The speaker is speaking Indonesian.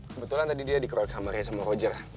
kebetulan tadi dia dikroyek sama reza sama roger